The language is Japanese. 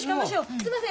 すいません